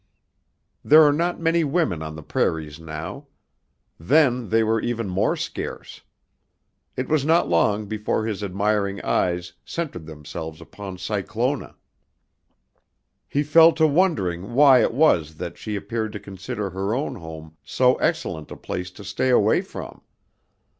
There are not many women on the prairies now. Then they were even more scarce. It was not long before his admiring eyes centered themselves upon Cyclona. He fell to wondering why it was that she appeared to consider her own home so excellent a place to stay away from.